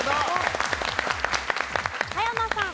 田山さん。